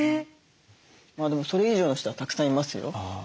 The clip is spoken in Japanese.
でもそれ以上の人はたくさんいますよ。